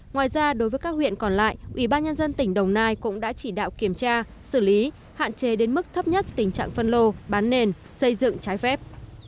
ngoài ra đối với các huyện còn lại ubnd tỉnh đông nai cũng đã chỉ đạo kiểm tra xử lý hạn chế đến mức thấp nhất tình trạng phân lô bán nền xây dựng trái phép